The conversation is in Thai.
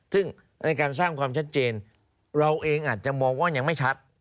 ซึ่งในการสร้างความชัดเจนเราเองอาจจะมองว่ายังไม่ชัด